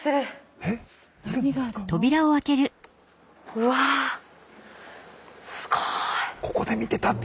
うわすごい！